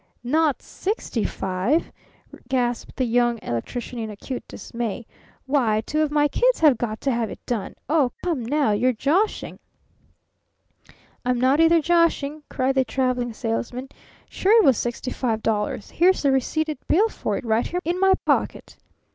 "Not sixty five?" gasped the Young Electrician in acute dismay. "Why, two of my kids have got to have it done! Oh, come now you're joshing!" "I'm not either joshing," cried the Traveling Salesman. "Sure it was sixty five dollars. Here's the receipted bill for it right here in my pocket."